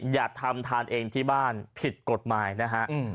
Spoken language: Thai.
อย่าทำทานเองที่บ้านผิดกฎหมายนะฮะ